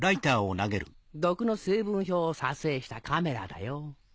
毒の成分表を撮影したカメラだよ。